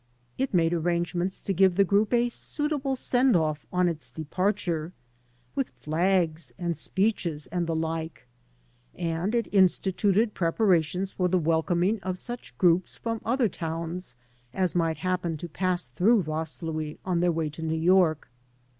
It made arrangements to give the group a suitable send off on its departure, with flags and speeches and the like; and it instituted preparations for the welcoming of such groups from other towns as might happen to pass through Vaslui on their way to New York.